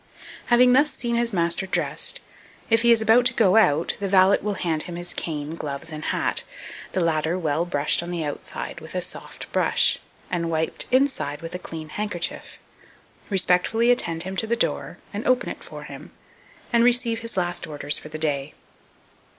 2237. Having thus seen his master dressed, if he is about to go out, the valet will hand him his cane, gloves, and hat, the latter well brushed on the outside with a soft brush, and wiped inside with a clean handkerchief, respectfully attend him to the door, and open it for him, and receive his last orders for the day.